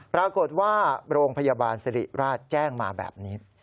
ปรากฏว่าโรงพยาบาลสิริราชแจ้งมาแบบนี้